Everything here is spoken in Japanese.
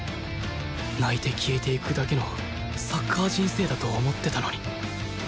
泣いて消えていくだけのサッカー人生だと思ってたのに